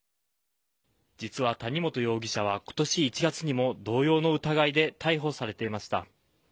実は谷本容疑者は今年１月にも同様の疑いで逮捕されていました。